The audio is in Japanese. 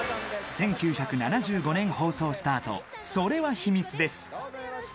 １９７５年放送スタート、それは秘密です！